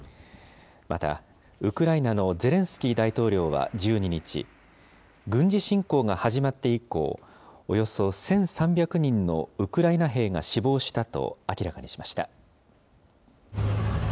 また、ウクライナのゼレンスキー大統領は１２日、軍事侵攻が始まって以降、およそ１３００人のウクライナ兵が死亡したと明らかにしました。